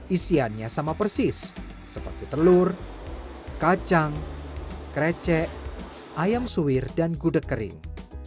isiannya sama persis seperti telur kacang krecek ayam suwir dan gudeg kering